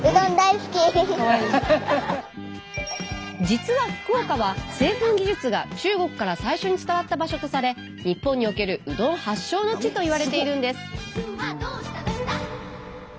実は福岡は製粉技術が中国から最初に伝わった場所とされ日本におけるうどん発祥の地といわれているんです。